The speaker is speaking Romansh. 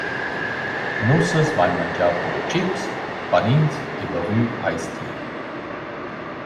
Nussas vain mangià «pommes chips», panins e bavü «ice tea».